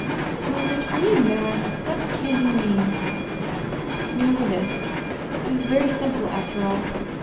"Margaret, are you mad? What can you mean?" "Merely this. It is very simple, after all.